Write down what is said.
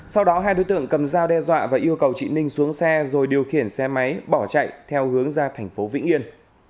sau đó hai đối tượng cầm dao đe dọa và yêu cầu chị ninh xuống xe rồi điều khiển xe máy bỏ chạy theo hướng ra thành phố vĩnh yên